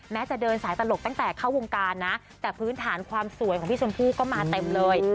จะเดินสายตลกตั้งแต่เข้าวงการนะแต่พื้นฐานความสวยของพี่ชมพู่ก็มาเต็มเลย